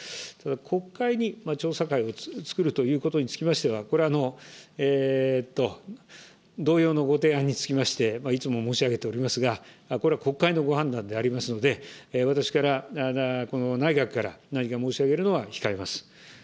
国会に調査会を作るということにつきましては、これは同様のご提案につきまして、いつも申し上げておりますが、これは国会のご判断でありますので、私から、この内閣から何か申し上げるのは控えます。